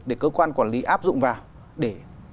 để cơ quan quản lý áp dụng vào để